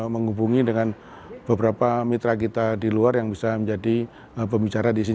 menghubungi dengan beberapa mitra kita di luar yang bisa menjadi pembicara di sini